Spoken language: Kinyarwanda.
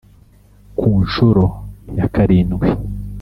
Ku nshuro ya karindwi